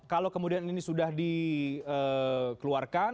kalau kemudian ini sudah dikeluarkan